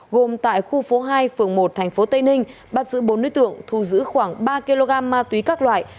gồm tại khu phố hai phường một tp tây ninh bắt giữ bốn đối tượng thu giữ khoảng ba kg ma túy các loại